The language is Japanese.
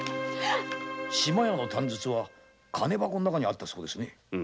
短筒は金箱の中にあったそうですね。